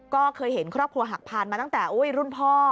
ก็เคยเห็นครอบครัวหักพานมาตั้งแต่รุ่นพ่อ